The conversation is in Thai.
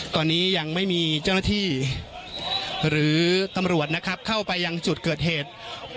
ตอนนี้ยังไม่มีเจ้าหน้าที่หรือตำรวจนะครับเข้าไปยังจุดเกิดเหตุ